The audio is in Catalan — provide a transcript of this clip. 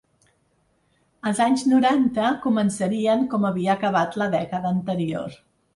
Els anys noranta començarien com havia acabat la dècada anterior.